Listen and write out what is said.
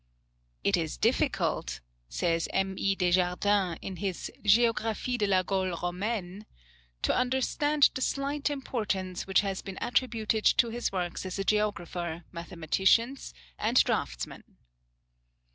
"It is difficult," says M. E. Desjardins, in his "Geographie de la Gaule Romaine," "to understand the slight importance which has been attributed to his works as a geographer, mathematician, and draughtsman."